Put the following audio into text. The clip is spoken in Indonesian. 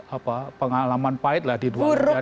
apa pengalaman pahit lah di dua ribu